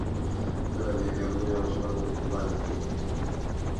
د نویو نیالګیو او چمنونو په منځ کې.